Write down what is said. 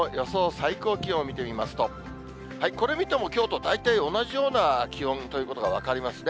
最高気温を見てみますと、これ見ても、きょうと大体同じような気温ということが分かりますね。